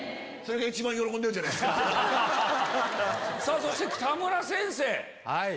そして北村先生！